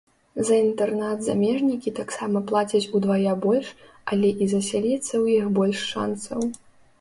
За інтэрнат замежнікі таксама плацяць удвая больш, але і засяліцца ў іх больш шанцаў.